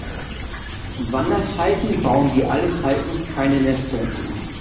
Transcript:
Wanderfalken bauen wie alle Falken keine Nester.